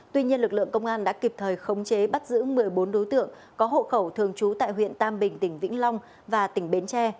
tuy nhiên lực lượng công an đã kịp thời khống chế bắt giữ một mươi bốn đối tượng có hộ khẩu thường trú tại huyện tam bình tỉnh vĩnh long và tỉnh bến tre